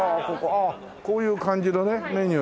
あっこういう感じのねメニュー。